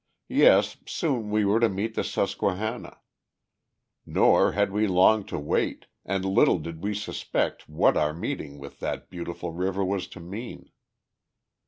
Yes, soon we were to meet the Susquehanna. Nor had we long to wait, and little did we suspect what our meeting with that beautiful river was to mean.